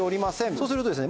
そうするとですね